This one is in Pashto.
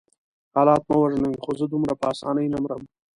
حالات مې وژني خو زه دومره په آسانۍ نه مرم.